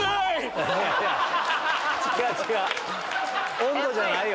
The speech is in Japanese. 温度じゃないよ。